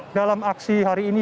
yang ikut dalam aksi hari ini